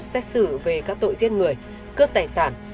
xét xử về các tội giết người cướp tài sản